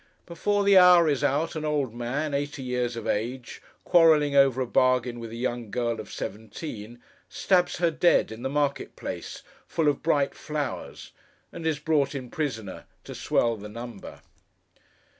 Before the hour is out, an old man, eighty years of age, quarrelling over a bargain with a young girl of seventeen, stabs her dead, in the market place full of bright flowers; and is brought in prisoner, to swell the number.